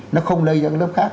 nó không lây cho cái lớp khác